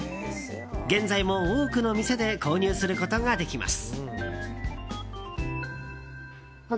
現在も、多くの店で購入することができます。